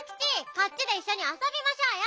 こっちでいっしょにあそびましょうよ。